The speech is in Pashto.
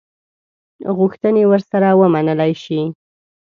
غوښتني ورسره ومنلي شي.